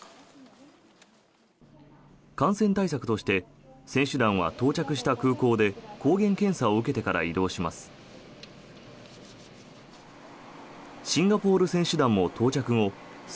感染対策として選手団は到着した空港で抗原検査を受けてから移動します。